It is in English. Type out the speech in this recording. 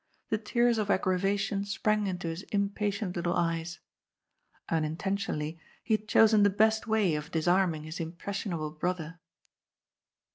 The tears of aggravation sprang into his impatient little eyes. XJnintentionally he had chosen the best way of disarm ing his impressionable brother.